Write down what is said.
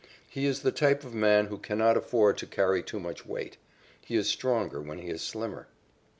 He is the type of man who cannot afford to carry too much weight. He is stronger when he is slimmer.